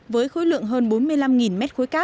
với khối lượng hơn bốn mươi năm m hai